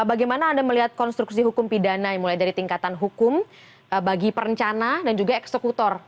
bagaimana anda melihat konstruksi hukum pidana yang mulai dari tingkatan hukum bagi perencana dan juga eksekutor